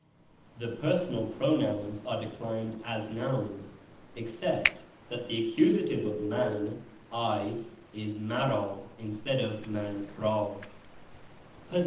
The personal pronouns are declined as nouns except that the accusative of ^ man (I) is Le mard instead of I. ^* nza?i ra.